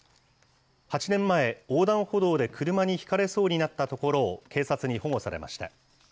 ８年前、横断歩道で車にひかれそうになったところを、警察に保護されました。